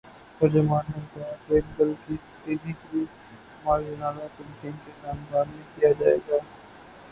ترجمان نے بتایا کہ بلقیس ایدھی کی نمازجنازہ اورتدفین کا اعلان بعد میں کیا جائے گا۔